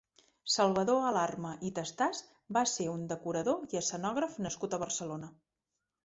Salvador Alarma i Tastàs va ser un decorador i escenògraf nascut a Barcelona.